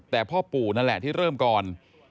แต่พ่อปู่นั่นแหละที่เริ่มก่อน